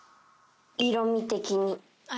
色み的に。